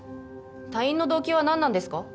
多飲の動機はなんなんですか？